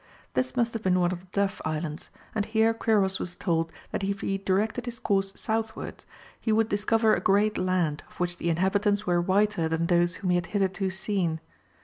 This must have been one of the Duff Islands, and here Quiros was told that if he directed his course southwards, he would discover a great land, of which the inhabitants were whiter than those whom he had hitherto seen.